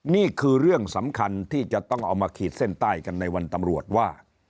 นี่คือเรื่องสำคัญที่จะต้องเอามาขีดเส้นใต้กันในวันตำรวจว่า